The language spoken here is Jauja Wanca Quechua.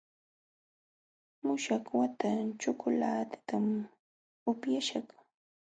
Muśhuq wata chocolatetam upyaśhaq.